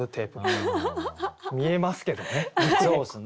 見えますけどね。